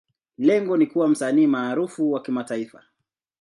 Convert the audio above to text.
Lengo ni kuwa msanii maarufu wa kimataifa.